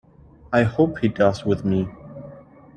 I hope he does with me.